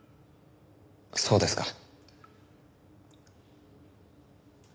そうですか。